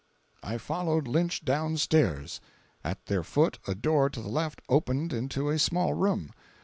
I followed Lynch down stairs. At their foot a door to the left opened into a small room.